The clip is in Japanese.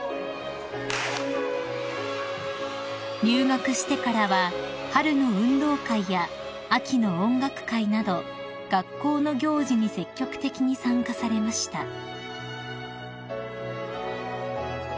［入学してからは春の運動会や秋の音楽会など学校の行事に積極的に参加されました］